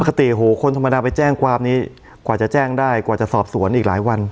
โหคนธรรมดาไปแจ้งความนี้กว่าจะแจ้งได้กว่าจะสอบสวนอีกหลายวัน